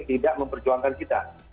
tidak memperjuangkan kita